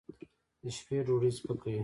د شپې ډوډۍ سپکه وي.